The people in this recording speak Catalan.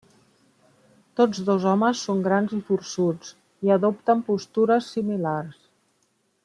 Tots dos homes són grans i forçuts, i adopten postures similars.